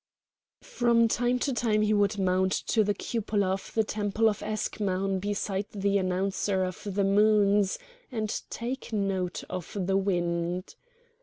From time to time he would mount to the cupola of the temple of Eschmoun beside the Announcer of the Moons and take note of the wind.